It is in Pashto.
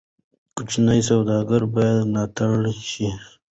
کوچني سوداګرۍ باید ملاتړ شي.